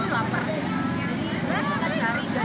ini sudah terbilang cukup enak tapi kayaknya saya masih lapar